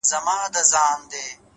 څه مسافره یمه خير دی ته مي ياد يې خو ـ